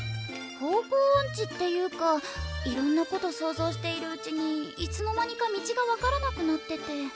方向おんちっていうかいろんなこと想像しているうちにいつの間にか道が分からなくなってて。